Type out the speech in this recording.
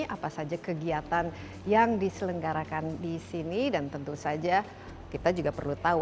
apa saja kegiatan yang diselenggarakan di sini dan tentu saja kita juga perlu tahu